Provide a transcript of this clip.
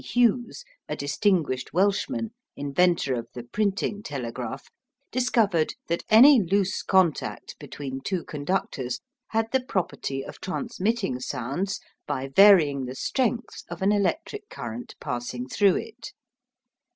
Hughes, a distinguished Welshman, inventor of the printing telegraph, discovered that any loose contact between two conductors had the property of transmitting sounds by varying the strength of an electric current passing through it.